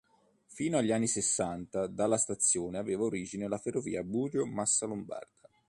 Fino agli anni sessanta, dalla stazione aveva origine la ferrovia Budrio-Massalombarda.